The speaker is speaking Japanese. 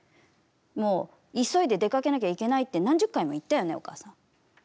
もう急いで出かけなきゃいけないって何十回も言ったよね、お母さん。